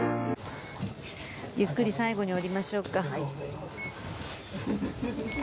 ゆっくり最後に降りましょうか。